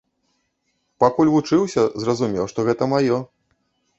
Пакуль вучыўся, зразумеў што гэта маё.